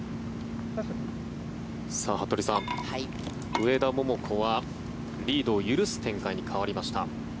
服部さん、上田桃子はリードを許す展開に変わりました。